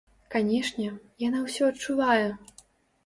Канешне, яна ўсё адчувае.